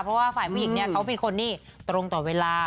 เพราะว่าฝ่ายผู้หญิงเนี่ยเขาเป็นคนที่ตรงต่อเวลา